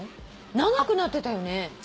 長くなってたよね？